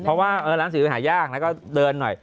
เพราะว่าร้านสื่อหายากแล้วก็เดินหน่อย